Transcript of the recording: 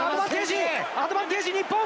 アドバンテージ、日本。